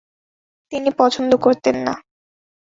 তিনি পছন্দ করতেন না।